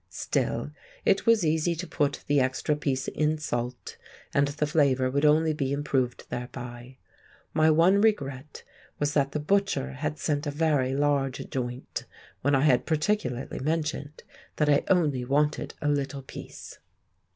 Still, it was easy to put the extra piece in salt, and the flavour would only be improved thereby; my one regret was that the butcher had sent a very large joint, when I had particularly mentioned that I only wanted a little piece.